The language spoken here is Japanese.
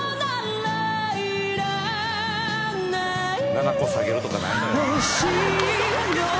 ７コ下げるとかないのよ